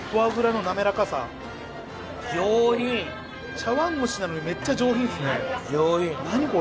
茶碗蒸しなのにめっちゃ上品っすね